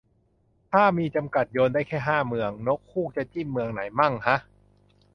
ถ้ามีจำกัด โยนได้แค่ห้าเมือง นกฮูกจะจิ้มเมืองไหนมั่งฮะ